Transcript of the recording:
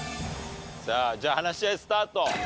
さあじゃあ話し合いスタート。